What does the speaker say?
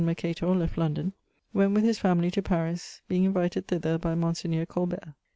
Mercator left London; went with his family to Paris, being invited thither by Monseigneur Colbert.